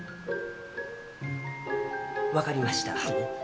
分かりました。